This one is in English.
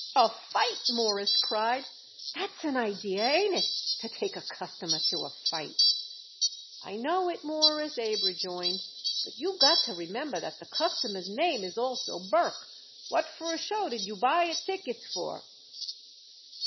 "A fight!" Morris cried. "That's an idea, ain't it? to take a customer to a fight." "I know it, Mawruss," Abe rejoined, "but you got to remember that the customer's name is also Burke. What for a show did you buy it tickets for?"